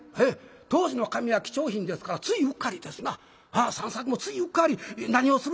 当時の紙は貴重品ですからついうっかりですな三作もついうっかり「何をする」